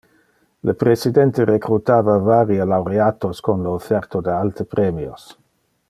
Le preside recrutava varie laureates con le offerta de alte premios.